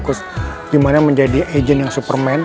terus gimana menjadi agent yang superman